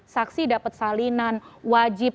saksi dapat salinan wajib